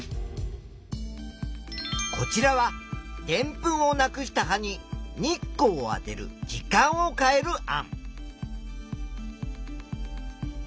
こちらはでんぷんをなくした葉に日光をあてる時間を変える案。